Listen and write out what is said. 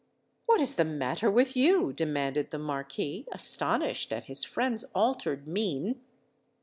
"What is the matter with you?" demanded the Marquis, astonished at his friend's altered mien.